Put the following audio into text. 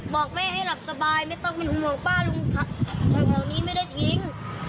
บอกแม่ให้หลับสบายไม่ต้องเป็นห่วงป้าลุงครับแถวนี้ไม่ได้ทิ้ง